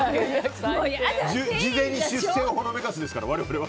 事前に出世をほのめかすですから我々は。